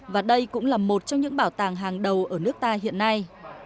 và đây cũng là một trong những bảo tàng hàng đầu ở nước ta hiện nay